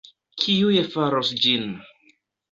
Kiuj faros ĝin?